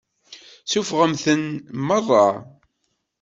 Suffɣemt-ten meṛṛa.